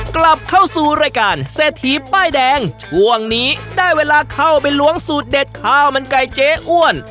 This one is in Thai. กลับเข้าสู่รายการเศรษฐีป้ายแดงช่วงนี้ได้เวลาเข้าไปล้วงสูตรเด็ดข้าวมันไก่เจ๊อ้วน